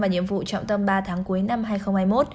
và nhiệm vụ trọng tâm ba tháng cuối năm hai nghìn hai mươi một